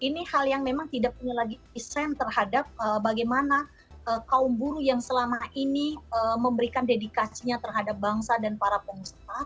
ini hal yang memang tidak punya lagi desain terhadap bagaimana kaum buruh yang selama ini memberikan dedikasinya terhadap bangsa dan para pengusaha